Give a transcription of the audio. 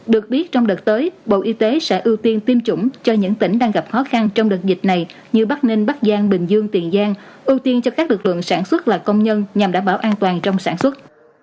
được biết trong đợt tới bộ y tế sẽ ưu tiên tiêm chủng cho những tỉnh đang gặp khó khăn trong đợt dịch này như bắc ninh bắc giang bình dương tiền giang ưu tiên cho các lực lượng sản xuất là công nhân nhằm đảm bảo an toàn trong sản xuất